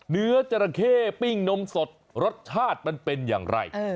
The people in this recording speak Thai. เนื้อจาระแคร่ปริ้งนมสดรสชาติกันเป็นอย่างไร